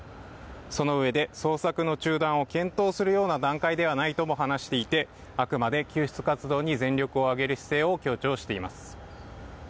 そのうえで捜索の中断を検討するような段階ではないと話していてあくまで救出活動に全力を上げる姿勢を強調しています。